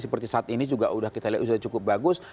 seperti saat ini juga kita lihat sudah cukup bagus